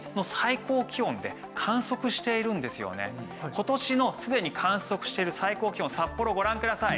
今年のすでに観測している最高気温札幌ご覧ください。